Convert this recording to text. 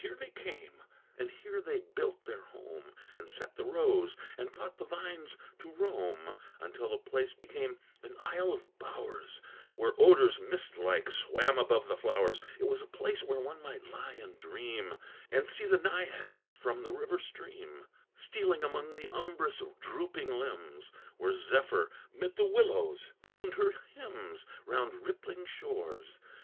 And here they came, and here they built their home, And set the rose and taught the vines to roam, Until the place became an isle of bowers, Where odors, mist like, swam above the flowers. It was a place where one might lie and dream, And see the naiads, from the river stream, Stealing among the umbrous, drooping limbs; Where Zephyr, 'mid the willows, tuned her hymns Round rippling shores.